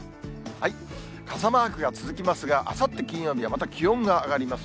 傘マークが続きますが、あさって金曜日はまた気温が上がります。